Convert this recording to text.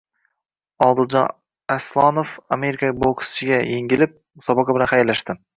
Odiljon Aslonov amerikalik bokschisiga yengilib, musobaqa bilan xayrlashdi